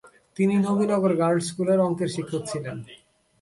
তিনি নবীনগর গার্লস স্কুলের অঙ্কের শিক্ষক ছিলেন।